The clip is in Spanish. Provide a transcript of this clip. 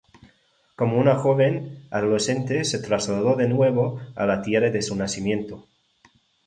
Como una joven adolescente, se trasladó de nuevo a la tierra de su nacimiento.